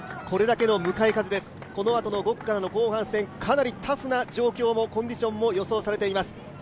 これだけの向かい風です、このあとの５区からの後半戦、かなりタフな状況、コンディションも予想されています。